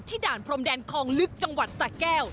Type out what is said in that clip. ด่านพรมแดนคลองลึกจังหวัดสะแก้ว